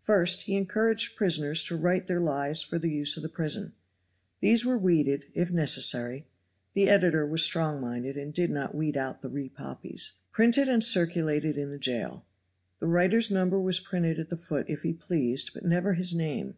First, he encouraged prisoners to write their lives for the use of the prison; these were weeded, if necessary (the editor was strong minded and did not weed out the re poppies); printed and circulated in the jail. The writer's number was printed at the foot if he pleased, but never his name.